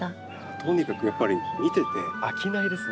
とにかくやっぱり見てて飽きないですね